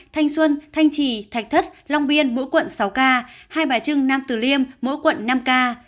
thanh xuân thanh trì thạch thất long biên mỗi quận sáu ca hai bà trưng nam tử liêm mỗi quận năm ca